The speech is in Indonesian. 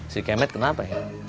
si kemet kenapa ya